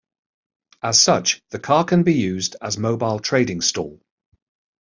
As such the car can be used as mobile trading stall.